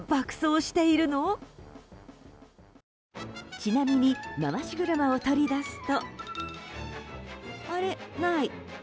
ちなみに、回し車を取り出すと。